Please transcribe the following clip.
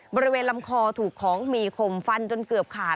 บริเวณลำคอถูกของมีคมฟันจนเกือบขาด